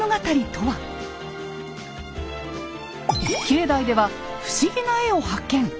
境内では不思議な絵を発見。